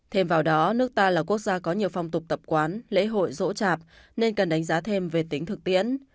thêm vào đó nước ta là quốc gia có nhiều phong tục tập quán lễ hội rỗ chạp nên cần đánh giá thêm về tính thực tiễn